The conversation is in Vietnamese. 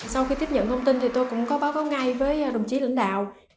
sau khi tiếp nhận thông tin thì tôi cũng có báo cáo ngay với đồng chí lãnh đạo